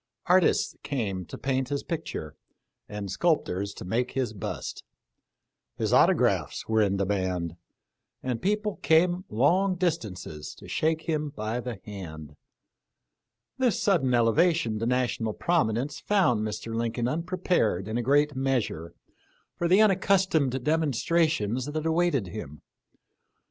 Artists came to paint his picture, and sculptors to make his bust. His auto graphs were in demand, and people came long dis tances to shake him by the hand. This sudden ele vation to national prominence found Mr. Lincoln unprepared in a great measure for the unaccus tomed demonstrations that awaited him.